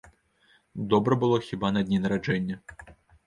Добра было хіба на дні нараджэння.